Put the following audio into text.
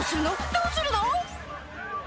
どうするの？